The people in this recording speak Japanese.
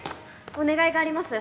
お願いがあります。